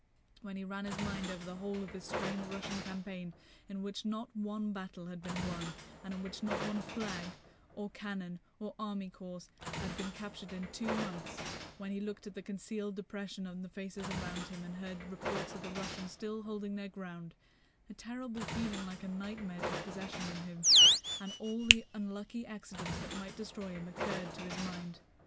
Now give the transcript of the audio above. When he ran his mind over the whole of this strange Russian campaign in which not one battle had been won, and in which not a flag, or cannon, or army corps had been captured in two months, when he looked at the concealed depression on the faces around him and heard reports of the Russians still holding their ground—a terrible feeling like a nightmare took possession of him, and all the unlucky accidents that might destroy him occurred to his mind.